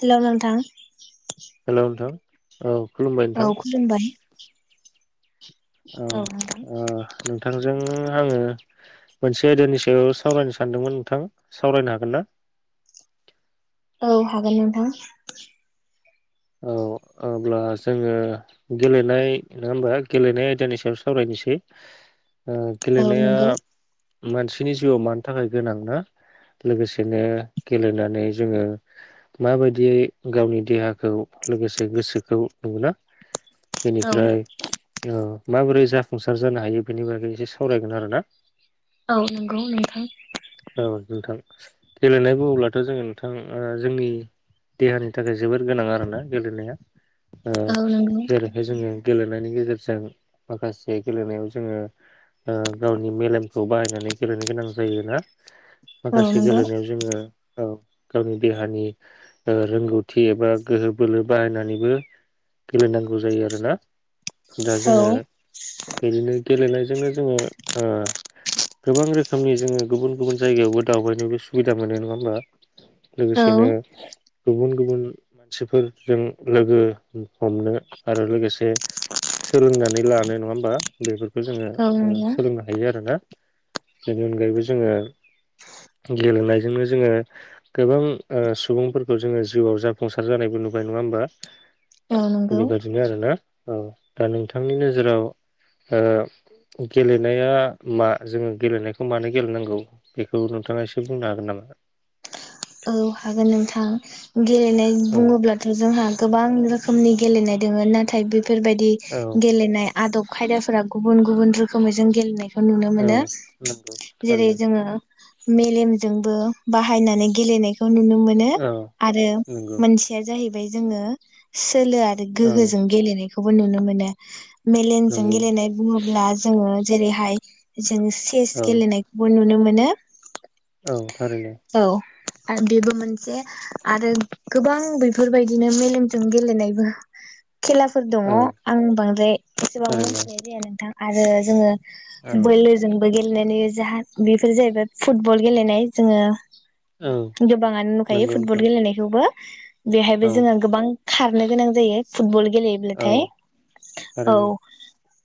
Hello नोंथां। Hello नोंथां। औ खुलुमबाय नोंथां औ खुलुमबाय। औ ओ नोंथांजोंनो आङो मोनसे आयदानि सायाव सावरायनो सानदोंमोन नोंथां सावरायनो हागोन ना? औ हागोन नोंथां। औ अब्ला जोङो गेलेनाय नङा हमबा गेलेनाय आयदानि सायाव सावरायनोसै औ गेलेनाया नंगौ मानसिनि जिउआव मानि थाखाय गोनांना लोगोसेनो गेलेनानै जोङो माबायदियै गावनि देहाखौ लोगोसे गोसोखौ नंगौना बेनिफ्राय औ औ माबोरै जाफुंसार जानो हायो बेनि बागै एसे सावरायगोन आरोना औ नंगौ नोंथां औ नोंथां गेलेनाय बुङोब्लाथ' जोङो नोंथां जोंनि देहानि थाखाय जोबद गोनां आरोना गेलेनाया औ नंगौ जेरैहाय जोङो गेलेनायनि गेजेरजों माखासे गेलेनायाव जोङो गावनि मेलेमखौ बाहायनानै गेलेनो गोनां जायोना औ माखासे नंगौ गेलेनायाव जोङो औ गावनि देहानि रोंगौथि एबा गोहो बोलो बाहायनानैबो गेलेनांगौ जायो आरोना दा औ जोङो बिदिनो गेलेनायजोंनो जोङो गोबां रोखोमनि जोङो गुबुन गुबुन जायगायावबो दावबायनोबो सुबिदा मोनो नङा होमबा औ लोगोसेनो नंगौ गुबुन-गुबुन मानसिफोर जों लोगो हमनो आरो लोगोसे सोलोंनानै लानो नङा होमबा बेफोर खौ जोङो सोलोंनो हायो आरोना बेनि अनगायैबो जोङो गेलेनायजोंनो जोङो गोबां सुबुंफोरखौ जोङो जिउआव जाफुंसार जानायबो नु बाय नङा होमबा औ नंगौ बेबायदिनो आरोना औ दा नोंथांनि नोजोराव गेलेनाया मा जोङो गेलेनायखौ मानो गेलेनांगौ बेखौ नोंथाङा एसे बुंनो हागोन नामा औ हागोन नोंथां गेलेनाय औ बुङोब्लाथ' जोंहा गोबां रोखोमनि गेलेनाय दङ ना थाय बेफोरबायदि औ गेलेनाय आदब खायदाफोरा गुबुन गुबुन रोखोमै जों गेलेनाय खौ नुनो औ मोनो नंगौ जेरै थारैनो जोङो मेलेमजोंबो बाहायनानै गेलेनाय खौ नुनो मोनो औ आरो नंगौ मोनसेया जाहै बाय जोङो सोलो आरो औ गोहोजों गेलेनाय बेखौबो नुनो मोनो। मेलेनजों नंगौ गेलेनाय बुङोब्ला जोङो। जेरैहाय जों चेस औ गेलेनायखौबो नुनो मोनो। [unintelligible] औ थारैनो। औ आरो बेबो मोनसे आरो गोबां बेफोरबायदिनो मेलेमजों गेलेनायबो खेलाफोर दङ औ आं बांद्राय एसेबाबो थारैनो मिथिनाय जाया नोंथां। आरो जोङो औ बोलो जोंबो गेले गेलेनायनि जाहा बेफोर जाहैबाय फुटबल गेलेनाय जोङो औ गोबाङानो नुखायो नंगौ फुटबल नोंथां गेलेनायखौबो। [unintelligible] बेहायबो औ जोङो गोबां खारनो गोनां जायो फुटबल गेलेयोब्लाथाय औ ।औ थारैनो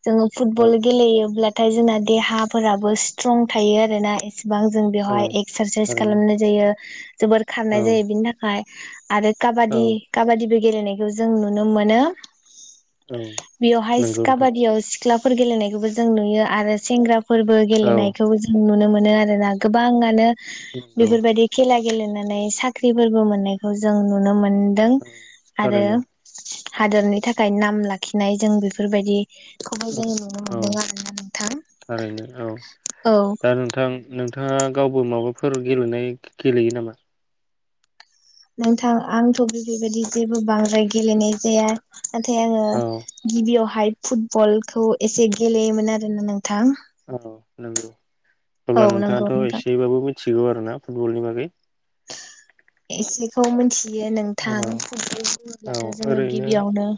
जोङो औ फुटबल गेलेयोब्ला नाथाय जोंना देहाफोराबो स्ट्रं थायो आरोना एसे। गोबां जों औ बेवहाय एक्सारसाइस थारैनो खालामनाय बियो जोबोर खारनाय औ जायो बिनि थाखाय आरो औ काबादि- काबादिबो गेलेनायखौ जों नुनो मोनो। औ बेवहाय नंगौ नोंथां काबादियाव [unintelligible] सिख्लाफोर गेलेनायखौबो जों नुयो आरो सेंग्रा [unintelligible] औ गेलेनायखौ जों नुनो मोनो। मोनो आरोना गोबाङानो नंगौ बेफोरबायदि खेला गेलेनानै साख्रिफोरबो मोननायखौ जों नुनो मोनो। मोन्दों औ आरो थारैनो हादरनि थाखाय नाम लाखिनाय जों बेफोरबायदि। [unintelligible] औ जोङो नुनो औ मोनदों आरोना थारैनो औ नोंथां औ। दा नोंथां नोंथाङा गावबो माबाफोर गेलेनाय गेलेयो नामा? नोंथां आंथ' बेफोरबायदि जेबो बांद्राय गेलेनाय जाया। नाथाय आङो औ गिबियावहा [unintelligible] फुटबलखौ एसे गेलेयोमोन आरोना नोंथां। औ नंगौ। औ अब्ला नंगौ नोंथाङाथ' नोंथां, एसेबाबो मिथिगौ आरोना फुटबलनि बागै एसेखौ मिथियो नोंथां औ फुटबल औ बुङोब्लाथ' जोङो ओरैनो गिबियावनो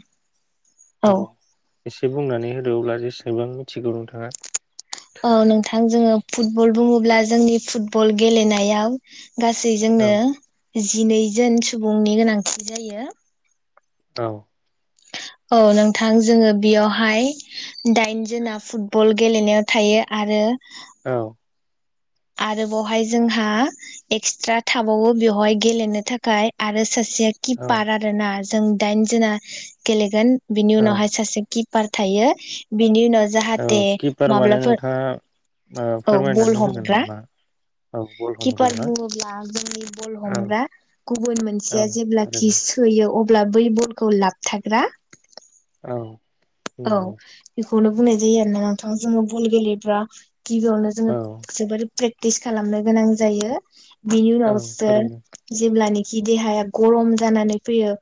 औ एसे बुंनानै होदो अब्ला जिस सेबां मिथिगौ नोंथाङा। औ नोंथां जोङो फुटबल बुङोब्ला जोंनि फुटबल गेलेनायाव गासै जोंनो औ जिनैजोन सुबुंनि गोनांथि जायो। औ। औ नोंथां जोङो बेयावहाय दाइनजोना फुटबल गेलेनायाव थायो आरो औ। आरो बावहाय जोंहा एक्सट्रा थाबावो बेवहाय गेलेनो थाखाय आरो सास से औ खिपार आरो ना जों दाइनजोना गेलेगोन बिनि औ उनावहाय सासे गित पार थायो बिनि उनाव औ जाहाथे किपार माने माब्लाफोर नोंथाङा ओ औ बल फोरमायनानै ओ होगोन हमग्रा नामा? किपार बुङोब्ला जोंनि बल औ हमग्रा गुबुन औ मोनसेया जेब्लाखि थारैनो सोयो अ ब्ला बै बलखौ लाबथाग्रा। औ। औ। नंगौ खौनो बुंनाय जायो आरोना नोंथां जोङो बल गेलेबा गिबियावनो जोङो औ जोबोर प्रेक्टिस खालामनो गोनां जायो। बिनि औ उनावसो थारैनो जेब्लानि खि देहाया गरम जानानै फैयो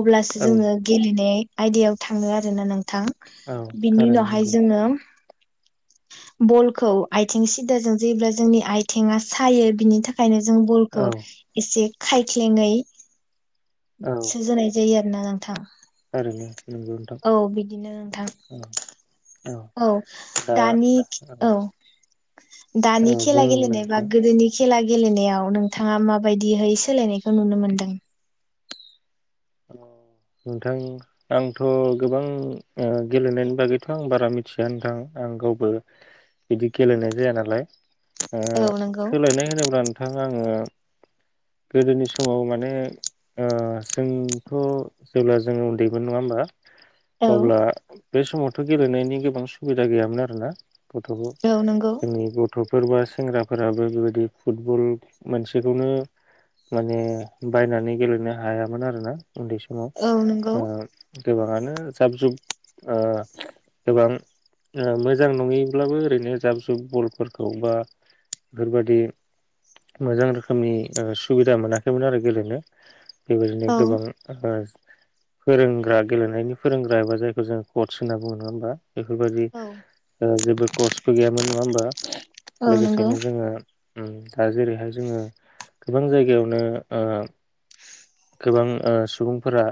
अब्लासो औ जोङो गेलेनाय आयदायाव थाङो आरो ना नों थां। औ बिनि थारैनो उनावहाय नंगौ जोङो बलखौ आथिं सिद्दाजों जोयोब्ला जोंनि आयथिङा सायो बिनि थाखायनो जों बलखौ औ एसे खायख्लेङै औ सो जोनाय जायो आ ना नोंथां। थारैनो। नंगौ नोंथां औ बिदिनो नोंथां औ औ दा दानि औ औ दानि खेला बुं गेलेनाय बा नोंथां गोदोनि खे खेला गेलेनायाव नोंथांङा माबायदिहै सोलायनायखौ नुनो मोनदों? नोंथां आंथ गोबां गेलेनायनि बागैथ आं बारा मिथिया नोंथां आं गावबो बिदि गेलेनाय जाया नालाय ओ औ नंगौ सोलायनाय होनोब्ला नोंथां आं ओ गोदोनि समाव माने ओ जोंथ जेब्ला जोंङो उन्दैमोन नङा होमबा औ अब्ला बे समावथ गेलेनायनि गोबां सुबिदा गैयामोन आरोना औ नंगौ गथ'खौ [unintelligible] गथ'फोर बा सेंग्राफोराबो बेबायदि फुटबल मोनसेखौनो माने बायनानै गेलेनो हायामोन आरोना उन्दै समाव औ नंगौ ओ गोबांङानो जाब जुग ओ गोबां मोजां नङैब्लाबो ओरैनो जाब जुब बलफोरखौ बा बेफोरबादि मोजां रोखोमनि सुबिदा मोनाखैमोन आरो गेलेनो बेबायदिनो औ गोबां फोरोंग्रा गेलेनायनि फोरोंग्रा एबा जायखौ जोङो कर्च होनना बुङो नङा होमबा बेफोरबायदि औ जेबो कर्च गैयामोन नङा होमबा औ नंगौ लोगोसेनो जोङो उम दा जेरैहाय जोङो गोबां जायगायावनो ओ गोबां ओ सुबुंफोरा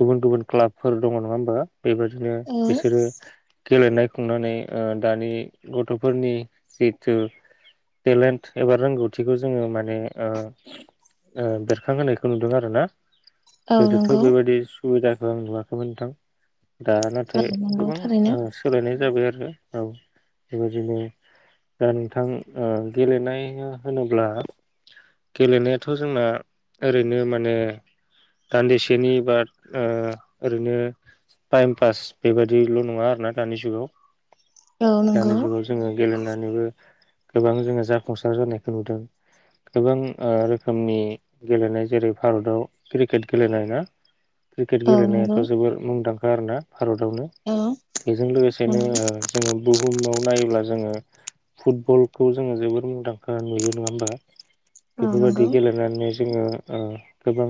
गुबुन गुबुन क्लाबफोर दङ नङा होमबा। बेबायदिनो औ बिसोरो गेलेनाय खुंनानै ओ दानि गथ'फोरनि जिहेथु टेलेन्ट एबा रोंगौथिखौ जोङो माने ओ ओ बेरखांहोनायखौ नुदों आरोना औ गोदोथ' नंगौ बेबायदि सु सुबिदाखौ आं नुवाखैमोन नोंथां। दा नाथाय औ नंगौ गोबां थारैनो सोलायनाय जाबाय आरो औ बेबायदिनो दा नोंथां ओ गेलेनाय होनोब्ला गेलेनायाथ जोंना ओरैनो माने दान्दिसेनि बा ओ ओरैनो टाइम पास बेबादिल नङा आरोना दानि जुगाव औ नंगौ दानि जुगाव जोङो गेलेनानैबो गोबां जोङो जाफुंसार जानायखौ नुदों। गोबां ओ रोखोमनि गेलेनाय जेरै भारताव क्रिकेट गेलेनाय ना क्रिकेट औ गेलेनायाथ नंगौ जोबोर मुंदां आरोना भारतावनो औ बेजों लोगोसेनो नंगौ जोङो बुहुमाव नायोब्ला जोङो फुटबलखौ जोङो जोबोर मुंदांखा नुयो नङा होमबा। औ बेफोरबायदि नंगौ गेलेनानै जोङो ओ गोबां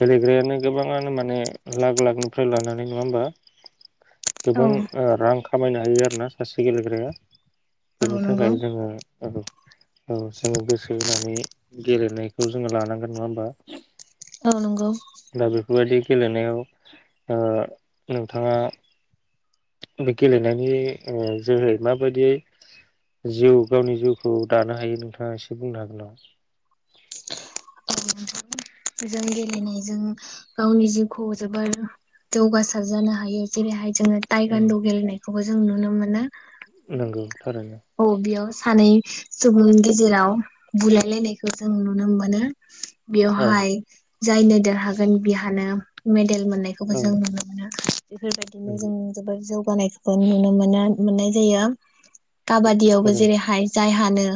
गेलेग्रायानो गोबाङानो माने लाख लाखनिफ्राय लानानै नङा होमबा? औ गोबां रां खामायनो हायो आरोना, सासे गेलेग्राया बेनि नंगौ थाखाय जोङो औ । औ जङो गोसो मानि गेलेनायखौ जोङो लानांगोन नङा होमबा? औ नंगौ। दा बेफोरबायदि गेलेनायाव ओ नोंथाङा बे गेलेनायनि ओ जोहै माबायदियै जिउ गावनि जिउखौ दानो हायो नोंथांङा एसे बुंनो हागोन नामा? उम जों गेलेनायजों गावनि जिउखौ जोबोर जौगासार जानो हायो जेरैहाय जोंङो थायगान्दु गेलेनाय बेखौबो जों नुनो मोनो। नोंगौ। औ बियाव सानै सुबुंनि गेजेराव बुलायलायनायखौ जों नुनो मोनो। औ बेवहाय जायनो देरहागोन बिहानो मे बेल मोननायखौबो औ जों नुनो मोनो। बेफोरबायदिनो नंगौ जों जोबोर जौगानायखौबो नुनो मोनो। मोननाय जायो। औ काबादियावबो थारैनो जेरैहाय जायहा नों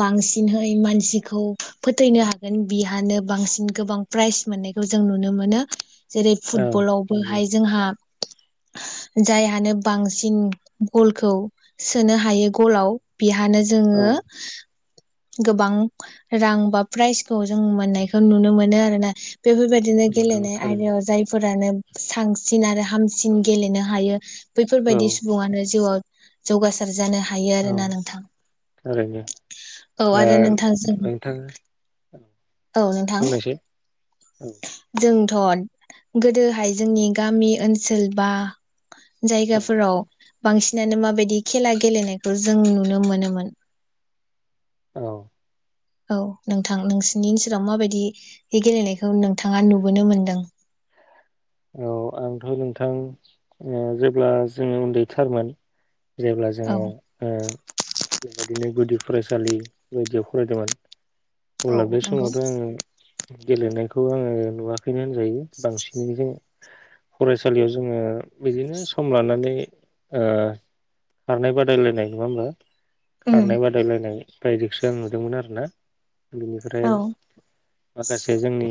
बांसिनहै मानसिखौ फोथैनो हागोन बिहानो बांसिन गोबां प्राइज मोननायखौ जों नुनो मोनो। जेरै औ नंगौ फुटबलावबोहाय जोंहा जायहानो बांसिन गलखौ सोनो हा हायो गलाव बिहानो औ जोङो गोबां रां बा प्राइज खौ जों मोननायखौ नुनो मोनो आरो। ना बेफोरबायदिनो नंगौ गेलेनाय थारैनो आयदायाव जायफोरानो सांसिन आरो हाम बांसिन गेलेनो हायो औ बैफोरबायदि सुबुंङानो जिउआव। जौगासा जानो हायो औ आरोना नोंथां, थारैनो औ ओ आरो नोंथांजों नोंथाङा औ नोंथां बुंनायसाय औ जोंथ' गोदोहाय जोंनि गामि ओनसोल बा औ जायगाफोराव बांसिनानो माबायदि खेला गेलेनाय खौ जों नुनो मोनोमोन औ औ नोंथां। नोंसिनि ओनसोलाव माबायदि बे गेलेनायखौ नोंथाङा नुबोनो मोनदों औ आंथ' नोंथां ओ जेब्ला जोङो उन्दैथारमोन जेब्ला औ जोङो ओ बेबायदिनो गुदि फरायसालि बायदियाव फरायदोंमोन औ अब्ला बे नंगौ समावथ आङो गेलेनायखौ आङो नुवा खैनो होनजायो बांसिनै जों फरायसालियाव जोङो बिदिनो सम लानानै ओ खारनाय बादायलायनाय नङा होनबा उम खारनाय बादायलायनाय बायदिखौसो आं नुदोंमोन आरो ना बिनिफ्राय औ माखासे जोंनि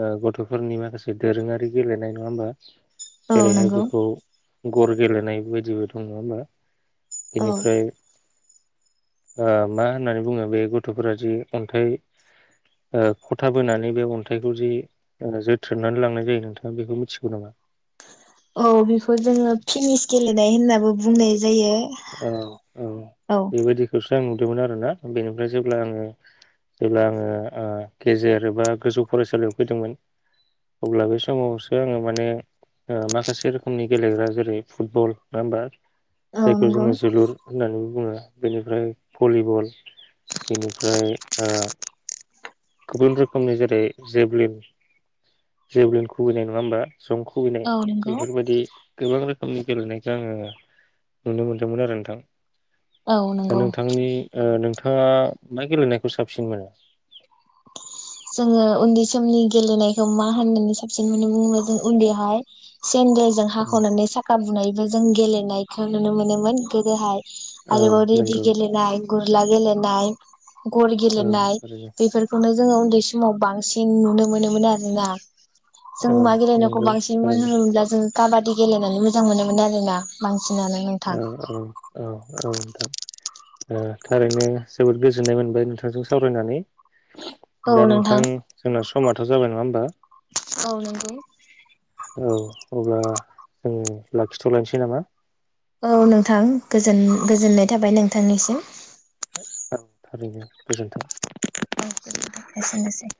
ओ गथ'फोरनि माखासे दोरोङारि गेलेनाय नङा होमबा औ जेरैहाय नंगौ बेखौ गर गेलेनाय बायदिबो दं नङा होमबा औ बेनिफ्राय ओ मा होननानै बुङो बे गथ'फोरा जि अन्थाइ खथा बोनानै बे अन्थाइखौ जि जोथ्रोननानै लांनाय जायो नोंथाङा बेखौ मिथिगौ नामा औ बेखौ जोङो फेनिस गेलेनाय होननाबो बुंनाय जायो औ सो आं नुदोंमोन आरोना। बेनिफ्राय जेब्ला आङो जेब्ला आङो गेजेर एबा गोजौ फरायसालियाव फैदोंमोन अब्ला बे समावसो आङो माने माखासे रोखोमनि गेलेग्रा जेरै फुटबल नङा होमबा औ जायखौ नंगौ जोङो जोलुर होननानै बुङो बेनिफ्राय भलिबल, बेनिफ्राय गुबुन रोखोमनि जेरै जेभलिन जेभलिन खुुबैनाय नङा होमबा जं खुबैनाय औ नंगौ बेफोरबायदि गोबां रोखोम नि गेलेनायखौ आङो नुनो मोन्दोंमोन आरो नोंथां। औ दा नंगौ नोंथांनि ओ नों नोंथाङा मा गेलेनायखौ साबसिन मोनो। जोङो उन्दै समनि गेलेनायखौ मा होननानै साबसिन मोनो [unintelligible] सेन्देल जों हाखावनानै साखा बुनाय आरो जों गेलेनायखौ नुनो मोनोमोन गोदोहाय। औ आरो रेदि नंगौ गेलेनाय। गुरला गेलेनाय गल औ गेलेनाय थारैनो बेफोर जोङो औ उन्दै समावबा बांसिन नुनो मोनोमोन आरोना। जों औ मा गेलेनायखौ नंगौ बांसिन मोन थारैनो होनोमोनब्ला जों काबादि गेलेनानै मोजां मोनोमोन आरोना बांसिन। औ-औ-औ-औ ओ थारैनो जोबोद गोजोननाय मोनबाय नोंथांजों सावरायनानै। दा नोंथां जोंना समाथ' जाबाय नङा होनबा। औ नंगौ औ अब्ला जों लाखिथ'लायनोसै नामा। औ नोंथां गोजोन गोजोननाय थाबाय नोंथांनिसिम। औ थारैनोे गोजोन्थों। एसेनोसै।